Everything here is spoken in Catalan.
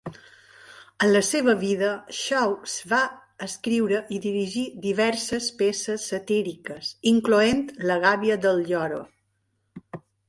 En la seva vida, Shaw va escriure i dirigir diverses peces satíriques, incloent "La gàbia del lloro".